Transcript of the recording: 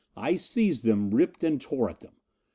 I seized them, ripped and tore at them.